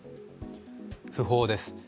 訃報です。